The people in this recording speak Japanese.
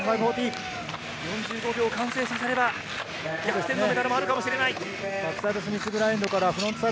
４５秒完成させれば、逆転のメダルもあるかもしれない。